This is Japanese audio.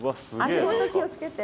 足元気を付けて。